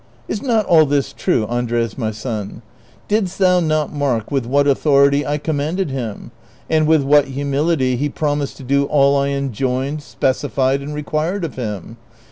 ^ Is not all this true, Andres my son ? Didst thou not mark with what authority I commanded him, and with what humility he promised to do all I enjoined, specified, and required of him